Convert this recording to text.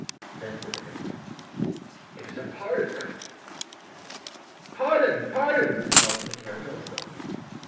Then said the headsman, "It is a pardon coming," and "Pardon! pardon!" was called from the carriage also.